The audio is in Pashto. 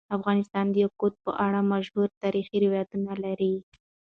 افغانستان د یاقوت په اړه مشهور تاریخی روایتونه لري.